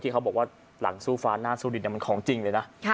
เขาบอกว่าหลังสู้ฟ้าหน้าสู้ดินมันของจริงเลยนะ